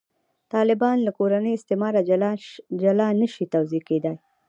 طالبان له «کورني استعماره» جلا نه شي توضیح کېدای.